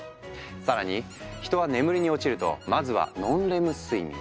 更に人は眠りに落ちるとまずはノンレム睡眠。